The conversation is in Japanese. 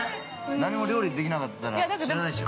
何も料理できなかったら知らないでしょう。